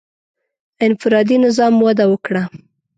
• انفرادي نظام وده وکړه.